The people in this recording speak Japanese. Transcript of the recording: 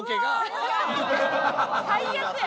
最悪や！